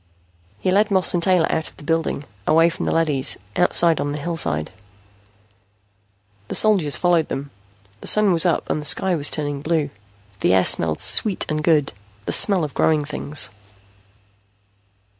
He led Moss and Taylor out of the building, away from the leadys, outside on the hillside. The soldiers followed them. The Sun was up and the sky was turning blue. The air smelled sweet and good, the smell of growing things.